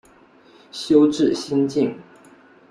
修智心净。